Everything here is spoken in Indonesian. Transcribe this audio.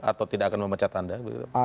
atau tidak akan memecah tanda